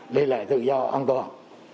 đi lại tự do an toàn